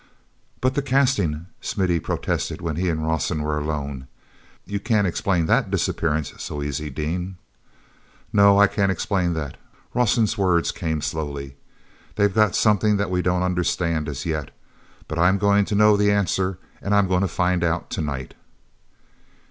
ut the casting!" Smithy protested when he and Rawson were alone. "You can't explain that disappearance so easy, Dean." "No, I can't explain that," Rawson's words came slowly. "They've got something that we don't understand as yet—but I'm going to know the answer, and I'm going to find out to night!"